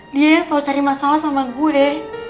dia selalu cari masalah sama gue